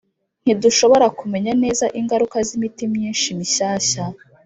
ntidushobora kumenya neza ingaruka z'imiti myinshi mishyashya.